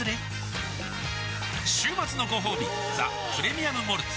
週末のごほうび「ザ・プレミアム・モルツ」